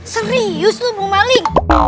serius lu mau maling